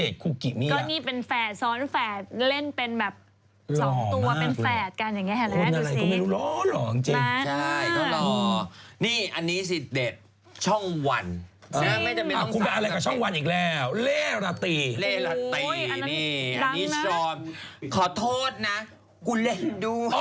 ช่องวันสำหรับให้ที่คุณพูดถึงช่องวันอีกแล้วเรละตีนี่อันนี้ชอบขอโทษนะกูเล่นด้วย